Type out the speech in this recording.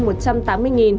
tức tăng một trăm linh